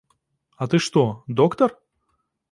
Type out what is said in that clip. А ты што, доктар?